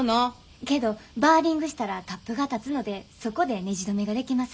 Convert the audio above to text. けどバーリングしたらタップが立つのでそこでねじ止めができます。